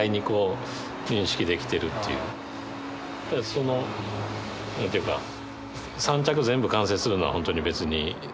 その何ていうか３着全部完成するのは本当に別にね